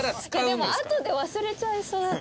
でもあとで忘れちゃいそうだから。